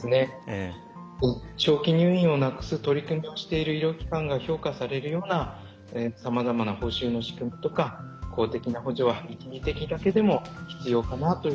長期入院をなくす取り組みをしている医療機関が評価されるようなさまざまな報酬の仕組みとか公的な補助は一時的だけでも必要かなというふうに思います。